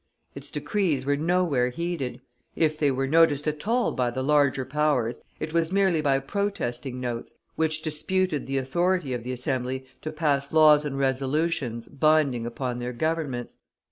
Its decrees were nowhere heeded; if they were noticed at all by the larger powers, it was merely by protesting notes which disputed the authority of the Assembly to pass laws and resolutions binding upon their Governments.